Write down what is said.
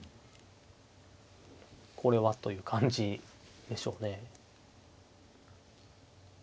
これはという感じでしょうね。